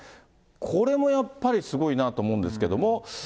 これもやっぱりすごいなと思うんですけども。